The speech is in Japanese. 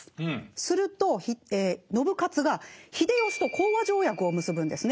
すると信雄が秀吉と講和条約を結ぶんですね。